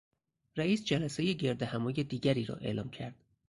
رئیس جلسه گردهمایی دیگری را اعلام کرد.